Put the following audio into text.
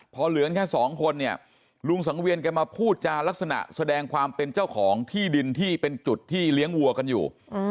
พอเหลือแค่สองคนเนี่ยลุงสังเวียนแกมาพูดจารักษณะแสดงความเป็นเจ้าของที่ดินที่เป็นจุดที่เลี้ยงวัวกันอยู่